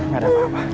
gak ada apa apa bu